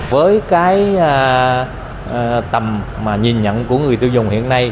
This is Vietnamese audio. với cái tầm mà nhìn nhận của người tiêu dùng hiện nay